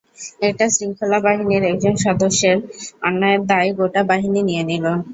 একটা শৃঙ্খলা বাহিনীর একজন সদস্যের অন্যায়ের দায় গোটা বাহিনী নিয়ে নিল।